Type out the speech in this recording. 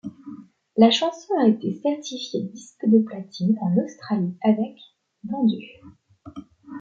La chanson a été certifié disque de platine en Australie avec vendues.